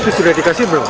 itu sudah dikasih belum